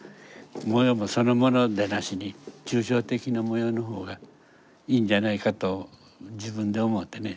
模様もそのものでなしに抽象的な模様の方がいいんじゃないかと自分で思ってね